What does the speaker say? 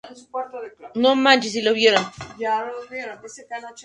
Pero la normativa no fue acompañada de medidas prácticas.